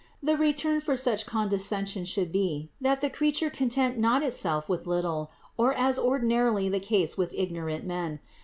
The return for such condescension should be, that the creature content not itself with little, as is or dinarily the case with ignorant men.